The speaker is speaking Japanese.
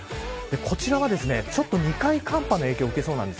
こちらは２回寒波の影響を受けそうなんです。